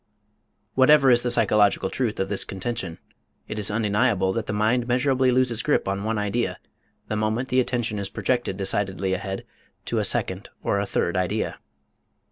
Whatever is the psychological truth of this contention it is undeniable that the mind measurably loses grip on one idea the moment the attention is projected decidedly ahead to a second or a third idea.